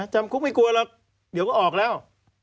จำคุกไม่กลัวหรอกเดี๋ยวก็ออกแล้ว